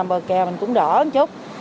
còn người ta làm bờ kè mình cũng đỡ một chút